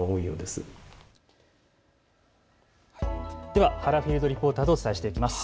では原フィールドリポーターとお伝えしていきます。